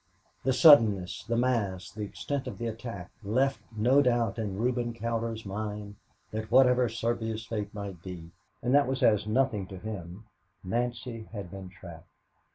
The suddenness, the mass, the extent of the attack, left no doubt in Reuben Cowder's mind that whatever Serbia's fate might be and that was as nothing to him Nancy had been trapped.